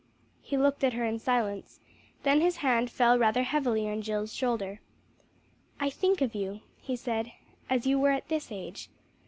He looked at her in silence, then his hand fell rather heavily on Jill's shoulder. "I think of you," he said, "as you were at this age.